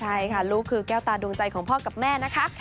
ใช่ค่ะลูกคือแก้วตาดวงใจของพ่อกับแม่นะคะ